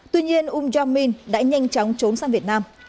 tuy nhiên um jong min đã nhanh chóng trốn sang việt nam